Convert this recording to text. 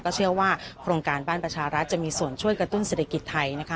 เชื่อว่าโครงการบ้านประชารัฐจะมีส่วนช่วยกระตุ้นเศรษฐกิจไทยนะคะ